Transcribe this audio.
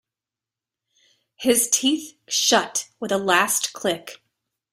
His teeth shut with a last click.